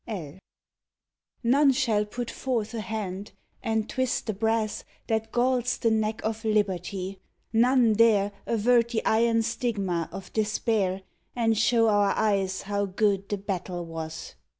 L NONE shall put forth a hand and twist the brass That galls the neck of Liberty, none dare Avert the iron stigma of despair And show our eyes how good the battle was.